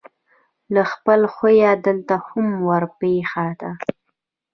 له خپل خویه دلته هم ورپېښه ده.